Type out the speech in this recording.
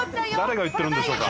誰が言ってるんでしょうか。